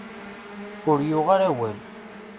Ur yuɣ ara awal.